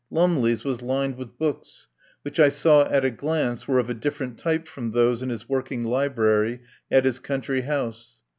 Lumley's was lined with books, which I saw at a glance were of a different type from those in his working library at his country house.